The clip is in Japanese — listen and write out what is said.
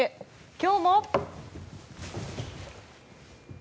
今日も。